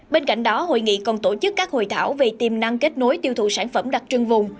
bên cạnh đó hội nghị còn tổ chức các hội thảo về tiềm năng kết nối tiêu thụ sản phẩm đặc trưng vùng